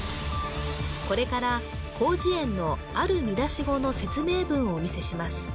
これから広辞苑のある見出し語の説明文をお見せします